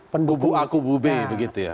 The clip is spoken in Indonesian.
pendukung a kubu b begitu ya